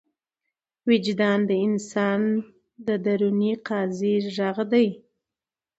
وجدان د انسان د دروني قاضي غږ دی.